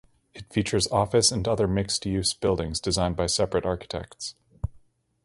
It features office and other mixed-use buildings designed by separate architects.